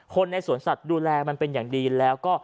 คนในสวนสัตว์ดูแลมันเป็นอย่างดีแล้วก็